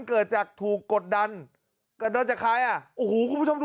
เกิดจากถูกกดดันเกิดดันจากใครอ่ะโอ้โหคุณผู้ชมดู